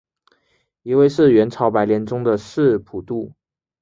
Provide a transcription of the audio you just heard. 一位是元朝白莲宗的释普度。